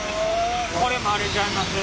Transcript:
これもあれちゃいます？